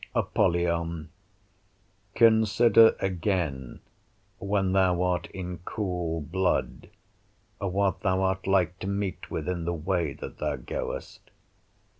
Apollyon Consider again when thou art in cool blood, what thou art like to meet with in the way that thou goest.